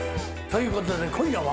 ということで今夜は。